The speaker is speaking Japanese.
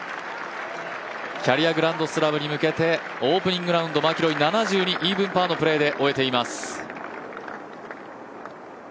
キャリアグランドスラムに向けてオープニングラウンド、マキロイ７２、イーブンパーのプレーで終えています。